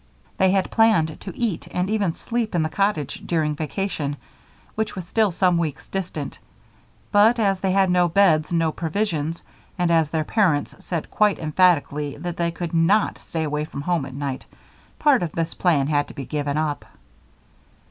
They had planned to eat and even sleep at the cottage during vacation, which was still some weeks distant; but, as they had no beds and no provisions, and as their parents said quite emphatically that they could not stay away from home at night, part of this plan had to be given up.